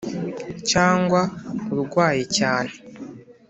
cyangwa urwaye cyane